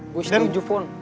gue setuju pun